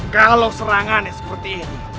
kalau serangannya seperti ini